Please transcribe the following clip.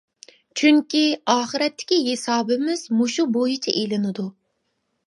چۈنكى ئاخىرەتتىكى ھېسابىمىز مۇشۇ بويىچە ئېلىنىدۇ.